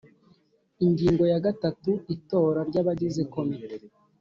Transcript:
Ingingo ya gatatu Itora ry abagize Komite